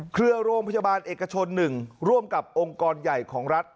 เครือโรงพยาบาลเอกชน๑ร่วมกับองค์กรใหญ่ของรัฐ